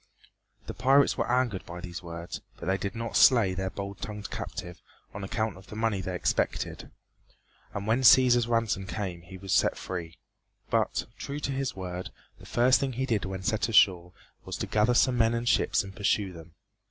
The pirates were angered by these words, but they did not slay their bold tongued captive on account of the money they expected, and when Cæsar's ransom came he was set free. But, true to his word, the first thing he did when set ashore was to gather some men and ships and pursue them.